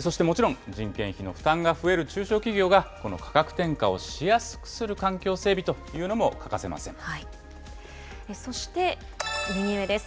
そしてもちろん、人件費の負担が増える中小企業がこの価格転嫁をしやすくする環境そして右上です。